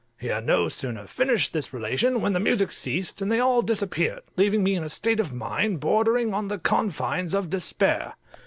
He had no sooner finished this relation than the music ceased, and they all disappeared, leaving me in a state of mind bordering on the confines of despair.